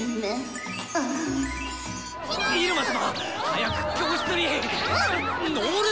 早く教室に！